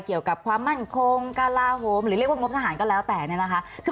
เกี่ยวกับความคงการ่าโฮมหรือเรียกว่างบทหารก็แล้วแต่